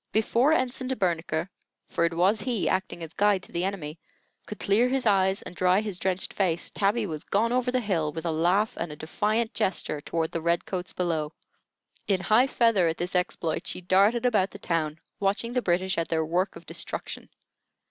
Before Ensign De Bernicre for it was he, acting as guide to the enemy could clear his eyes and dry his drenched face, Tabby was gone over the hill with a laugh and a defiant gesture toward the red coats below. In high feather at this exploit, she darted about the town, watching the British at their work of destruction.